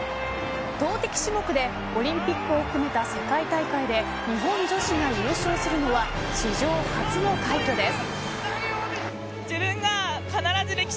投てき種目でオリンピックを含めた世界大会で日本女子が優勝するのは史上初の快挙です。